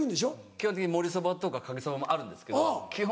基本的にもりそばとかかけそばもあるんですけど基本